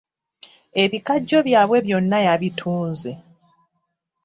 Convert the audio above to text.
Ebikajjo bye byonna yabitunze.